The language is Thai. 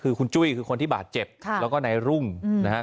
คือคุณจุ้ยคือคนที่บาดเจ็บแล้วก็นายรุ่งนะฮะ